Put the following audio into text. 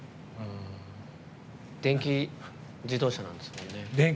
電気自動車なんですよね。